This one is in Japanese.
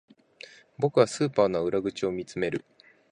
僕はスーパーの裏口を見つめる